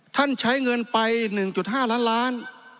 ใช้เงินไป๑๕ล้านล้าน